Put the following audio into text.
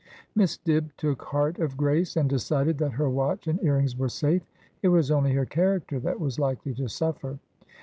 Miss Dibb took heart of grace, and decided that her v/atch and earrings were safe. It was only her character that was likely to suffer.